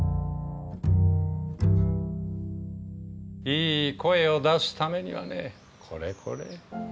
いい声を出すためにはねこれこれ。